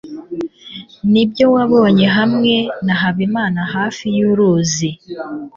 nibyo wabonye hamwe na habimana hafi yuruzi